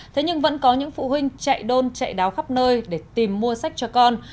thế nhưng vẫn có những phụ huynh chạy đôn chạy đáo khắp nơi để tìm mua sách cho con